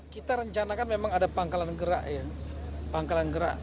kita rencanakan memang ada pangkalan gerak ya pangkalan gerak